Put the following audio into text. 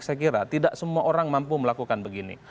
saya kira tidak semua orang mampu melakukan begini